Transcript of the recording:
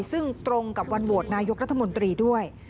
ซึ่งตรงกับวันโหวตนายกรัฐมนตรีด้วย